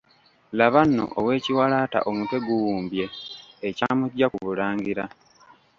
Laba nno ow'ekiwalaata omutwe guwumbye, Ekyamuggya ku Bulangira.